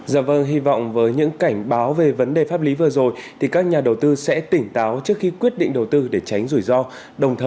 dạ vâng hy vọng với những cảnh báo về vấn đề pháp lý vừa rồi các nhà đầu tư sẽ tỉnh táo trước khi quyết định đầu tư để tránh rủi ro